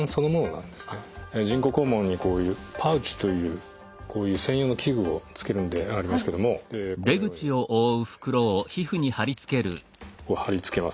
人工肛門にこういうパウチというこういう専用の器具を付けるんでありますけどもこのようにこう貼り付けます。